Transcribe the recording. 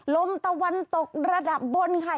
ลมตะวันตกระดับบนค่ะ